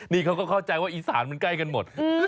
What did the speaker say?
นี่เขาก็เข้าใจว่าอีสานมันใกล้กันหมด